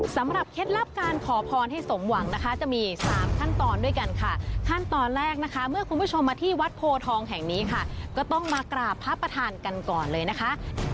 เคล็ดลับการขอพรให้สมหวังนะคะจะมี๓ขั้นตอนด้วยกันค่ะขั้นตอนแรกนะคะเมื่อคุณผู้ชมมาที่วัดโพทองแห่งนี้ค่ะก็ต้องมากราบพระประธานกันก่อนเลยนะคะ